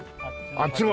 あっちも。